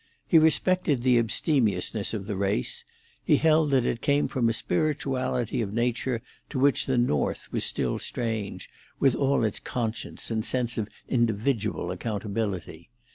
He respected the abstemiousness of the race; he held that it came from a spirituality of nature to which the North was still strange, with all its conscience and sense of individual accountability.